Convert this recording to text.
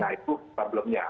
nah itu problemnya